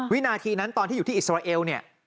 วินาทีนั้นตอนที่อยู่ที่อิสราเอลเนี่ย